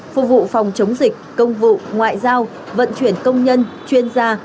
phục vụ phòng chống dịch công vụ ngoại giao vận chuyển công nhân chuyên gia